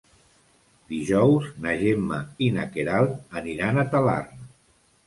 Dijous na Gemma i na Queralt aniran a Talarn.